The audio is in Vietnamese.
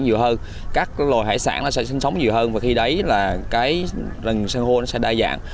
nhiều hơn các loài hải sản nó sẽ sinh sống nhiều hơn và khi đấy là cái rừng san hô nó sẽ đa dạng